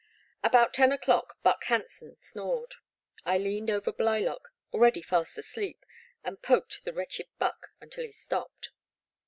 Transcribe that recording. About ten o'clock Buck Hanson snored. I leaned over Blylock, already fast asleep, and poked the wretched Buck until he stopped.